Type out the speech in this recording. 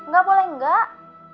gak boleh enggak